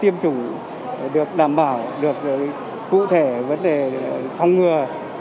tiêm chủng được đảm bảo được cụ thể vấn đề phòng ngừa